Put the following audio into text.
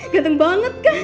ganteng banget kan